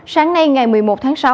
sáng nay ngày một mươi một tháng sáu